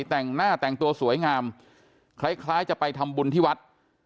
แต่งหน้าแต่งตัวสวยงามคล้ายจะไปทำบุญที่วัด